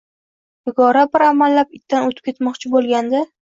Nigora bir amallab itdan oʻtib ketmoqchi boʻlgandi